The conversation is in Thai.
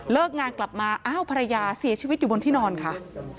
งานกลับมาอ้าวภรรยาเสียชีวิตอยู่บนที่นอนค่ะ